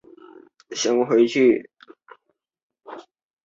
他发现异戊二烯可以从松节油中制备。